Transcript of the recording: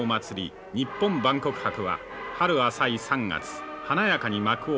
万国博は春浅い３月華やかに幕を開けました」。